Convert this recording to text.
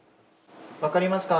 分かりますか？